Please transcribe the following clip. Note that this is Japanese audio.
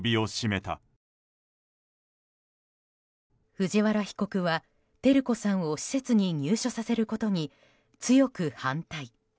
藤原被告は照子さんを施設に入所させることに強く反対。